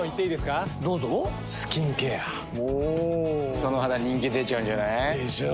その肌人気出ちゃうんじゃない？でしょう。